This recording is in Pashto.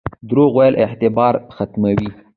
دروغ ویل اعتبار ختموي